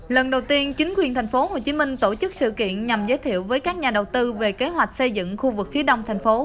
lần đầu tiên chính quyền tp hcm tổ chức sự kiện nhằm giới thiệu với các nhà đầu tư về kế hoạch xây dựng khu vực phía đông thành phố